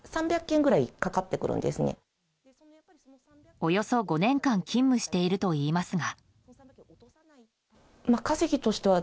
およそ５年間勤務しているといいますが。